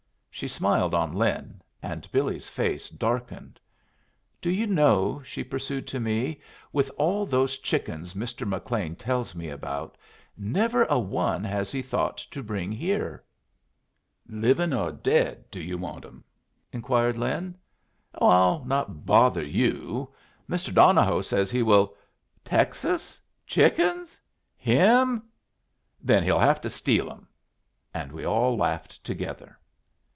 She smiled on Lin, and Billy's face darkened. "Do you know," she pursued to me, "with all those chickens Mr. McLean tells me about, never a one has he thought to bring here." "Livin' or dead do you want 'em?" inquired Lin. "Oh, I'll not bother you. Mr. Donohoe says he will " "Texas? Chickens? Him? Then he'll have to steal 'em!" And we all laughed together.